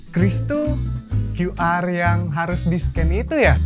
chris itu qr yang harus di scan itu ya